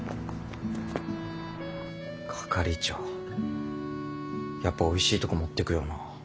係長やっぱおいしいとこ持ってくよな。